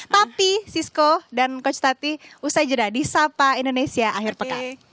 tapi sisko dan coach tati usai jeda di sapa indonesia akhir pekan